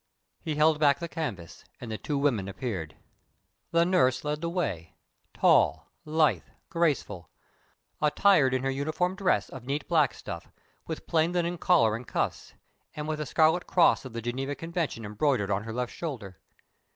He held back the canvas, and the two women appeared. The nurse led the way tall, lithe, graceful attired in her uniform dress of neat black stuff, with plain linen collar and cuffs, and with the scarlet cross of the Geneva Convention embroidered on her left shoulder.